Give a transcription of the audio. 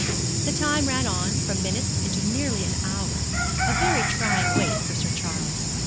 The time ran on, from minutes into nearly an hour, a very trying wait for Sir Charles.